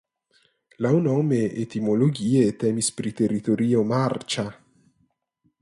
Laŭnome (etimologie) temis pri teritorio marĉa.